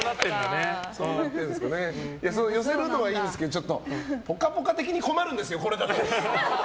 寄せるのはいいんですけど「ぽかぽか」的に困るんですこれだと。